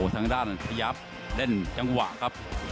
ทางด้านพยับเล่นจังหวะครับ